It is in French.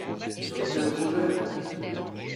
Sur la terre étrangère !